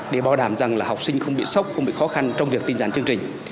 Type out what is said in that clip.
để bảo đảm rằng là học sinh không bị sốc không bị khó khăn trong việc tinh giản chương trình